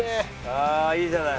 ああいいじゃない。